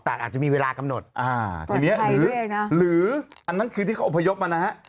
แต่อาจจะมีเวลากำหนดอ่าทีนี้หรืออันนั้นคือที่เขาอบพยพมานะฮะ